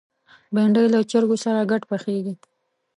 بېنډۍ له چرګو سره ګډ پخېږي